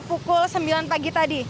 pukul sembilan pagi tadi